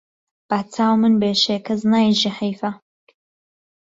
با چاو من بێشێ کەس نایژێ حەیفە